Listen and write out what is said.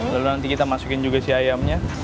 lalu nanti kita masukin juga si ayamnya